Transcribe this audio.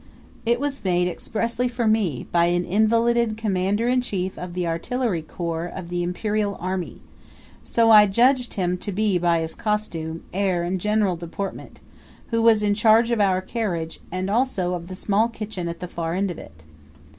It was made expressly for me by an invalided commander in chief of the artillery corps of the imperial army so I judged him to be by his costume, air and general deportment who was in charge of our carriage and also of the small kitchen at the far end of it.